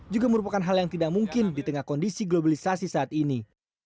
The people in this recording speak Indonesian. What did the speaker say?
juga merupakan hal yang tidak mungkin di tengah kondisi globalisasi saat ini